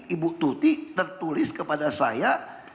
ibu tuti tertulis kepada saya